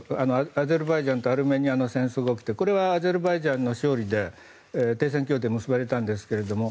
アゼルバイジャンとアルメニアの戦争が起きてこれはアゼルバイジャンの勝利で停戦協定結ばれたんですけど。